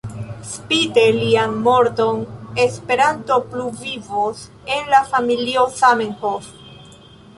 Spite lian morton Esperanto plu vivos en la familio Zamenhof.